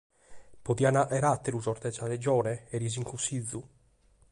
Podiant fàghere àteru sos de sa Regione, eris in Consìgiu?